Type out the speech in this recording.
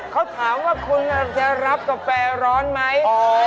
เขาถามว่าคุณกำลังจะรับกาแฟร้อนไหม